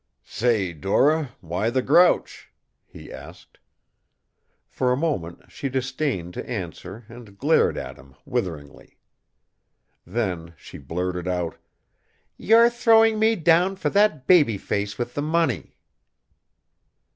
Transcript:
"Say, Dora, why the grouch?" he asked. For a moment she disdained to answer and glared at him witheringly. Then she blurted out, "You're throwing me down for that baby face with the money!"